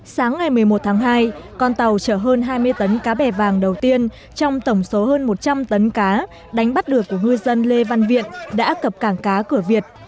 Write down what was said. sáng ngày một mươi một tháng hai con tàu chở hơn hai mươi tấn cá bè vàng đầu tiên trong tổng số hơn một trăm linh tấn cá đánh bắt được của ngư dân lê văn viện đã cập cảng cá cửa việt